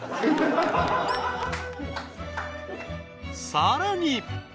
［さらに］